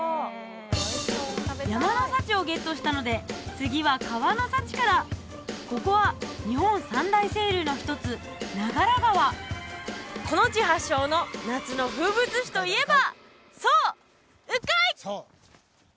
山の幸をゲットしたので次は川の幸からここは日本三大清流の一つこの地発祥の夏の風物詩といえばそう鵜飼！